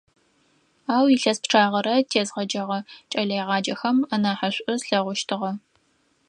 Ау илъэс пчъагъэрэ тезгъэджэгъэ кӀэлэегъаджэхэм анахьышӀу слъэгъущтыгъэ.